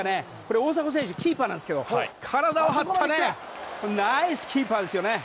大迫選手、キーパーなんですけど体を張ったナイスキーパーですね。